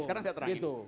sekarang saya terakhir